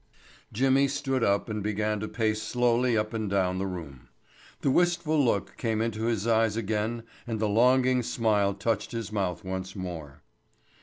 Jimmy stood up and began to pace slowly up and down the room. The wistful look came into his eyes again and the longing smile touched his mouth once more.